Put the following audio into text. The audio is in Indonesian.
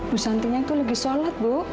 bu santinya itu lagi sholat bu